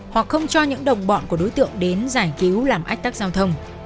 hoặc không cho những đồng bọn của đối tượng đến giải cứu làm ách tắc giao thông